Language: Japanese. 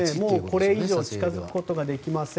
これ以上近づくことはできません。